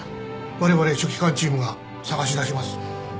われわれ書記官チームが捜し出します。